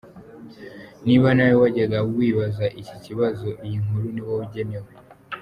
Niba nawe wajyaga wibaza iki kibazo, iyi nkuru ni wowe igenewe.